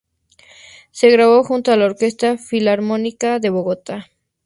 Se grabó junto a la Orquesta Filarmónica de Bogotá.